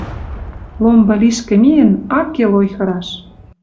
Ломбы лишкӹ миэн, ак кел ойхыраш.